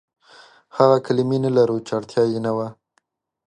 هغه کلمې نه لرو، چې اړتيا يې نه وه.